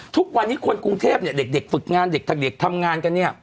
ทุกวันนี้คนกรุงเทพเนี่ยเด็กฝึกงานเด็กทำงานกันเนี่ย